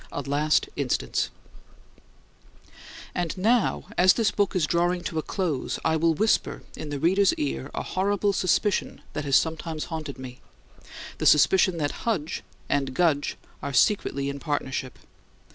A LAST INSTANCE And now, as this book is drawing to a close, I will whisper in the reader's ear a horrible suspicion that has sometimes haunted me: the suspicion that Hudge and Gudge are secretly in partnership.